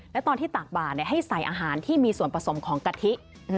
และตอนที่ตากบ่าให้ใส่อาหารที่มีส่วนผสมของกะทิ